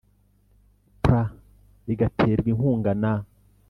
Plan igaterwa inkunga na